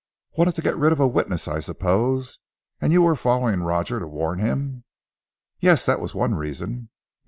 "Wanted to get rid of a witness, I suppose. And you were following Roger to warn him." "Yes! That was one reason."